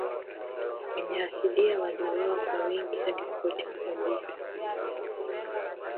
Wenyeji asilia waliuawa kwa wingi hadi kupotea kabisa.